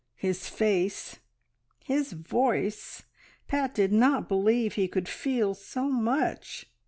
... His face! ... his voice! ... Pat did not believe he could feel so much.